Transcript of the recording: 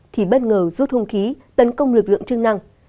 thì bất ngờ rút hông khí tấn công lực lượng chương năng